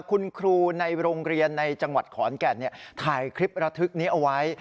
คุณครูในโรงเรียนในจังหวัดขอนแก่นถ่ายคลิประทึกนี้เอาไว้